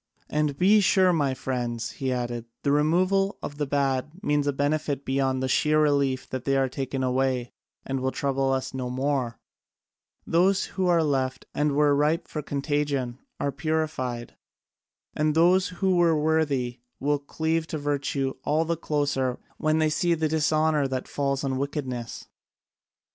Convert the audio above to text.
"And be sure, my friends," he added, "the removal of the bad means a benefit beyond the sheer relief that they are taken away and will trouble us no more: those who are left and were ripe for contagion are purified, and those who were worthy will cleave to virtue all the closer when they see the dishonour that falls on wickedness."